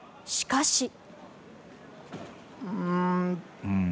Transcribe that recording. しかし。